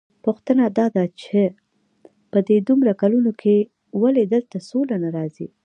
پوښتنه داده چې په دې دومره کلونو کې ولې دلته سوله نه راځي؟